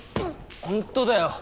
本当だよ。